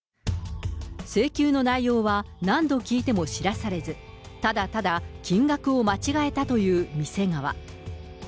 請求の内容は何度聞いても知らされず、ただただ金額を間違えたという店側。